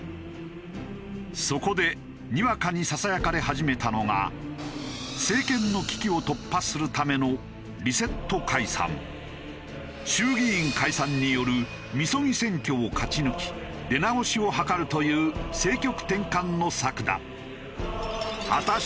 そこでにわかにささやかれ始めたのが政権の衆議院解散によるみそぎ選挙を勝ち抜き出直しを図るという政局転換の策だ。